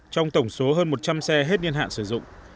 trong tổng số hơn một trăm linh xe hết niên hạn sử dụng